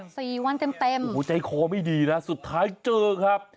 สี่วันเต็มเต็มโอ้โหใจคอไม่ดีนะสุดท้ายเจอครับ